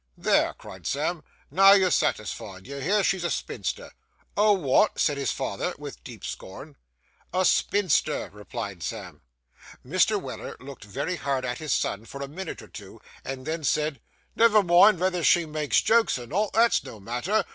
'There!' cried Sam, 'now you're satisfied. You hear she's a spinster.' 'A wot?' said his father, with deep scorn. 'A spinster,' replied Sam. Mr. Weller looked very hard at his son for a minute or two, and then said, 'Never mind vether she makes jokes or not, that's no matter.